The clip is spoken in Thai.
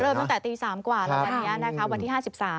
เริ่มตั้งแต่ตี๓กว่าหลังจากนี้วันที่๕๓